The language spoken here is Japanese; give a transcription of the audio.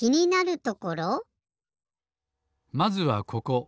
まずはここ。